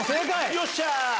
よっしゃ！